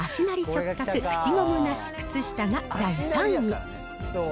直角口ゴムなし靴下が第３位。